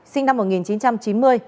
sinh năm một nghìn chín trăm chín mươi